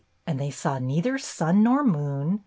And they saw neither sun nor moon.